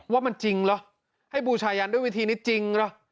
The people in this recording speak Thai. ว่ามันจริงเหรอให้บูชายันด้วยวิธีนี้จริงเหรอ